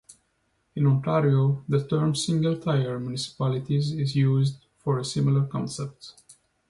In Ontario the term single-tier municipalities is used, for a similar concept.